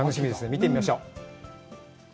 見てみましょう。